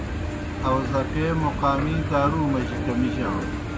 آؤزکے موقامی دارُو مجی کمِجانوْ۔